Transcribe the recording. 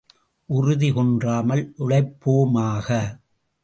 உறுதி குன்றாமல் உழைப்போமாக.